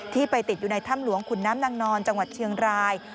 ไปติดอยู่ในถ้ำหลวงขุนน้ำนางนอนจังหวัดเชียงราย